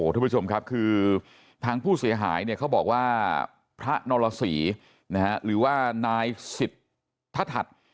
ทุกผู้ชมครับคือทางผู้เสียหายเนี่ยเขาบอกว่าพระนรสีหรือว่านายสิทธัศน์